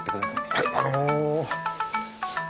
はいあの。